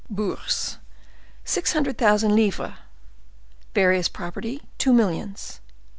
"Bourse, six hundred thousand livres; various property, two millions.